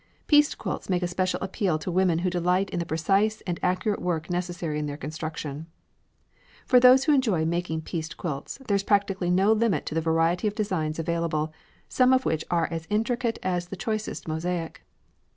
Pieced quilts make a special appeal to women who delight in the precise and accurate work necessary in their construction. For those who enjoy making pieced quilts, there is practically no limit to the variety of designs available, some of which are as intricate as the choicest mosaic.